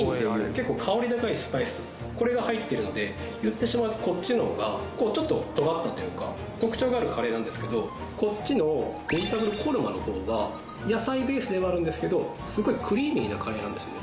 結構香り高いスパイスこれが入ってるので言ってしまうとこっちの方がちょっととがったというか特徴があるカレーなんですけどこっちのベジタブルコルマの方は野菜ベースではあるんですけどすごいクリーミーなカレーなんですね